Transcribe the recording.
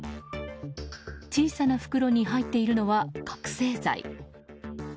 小さな袋に入っているのは覚醒剤。